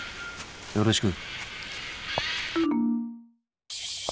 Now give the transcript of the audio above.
よろしく。